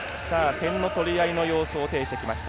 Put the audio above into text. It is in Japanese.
点の取り合いの様相を呈してきました。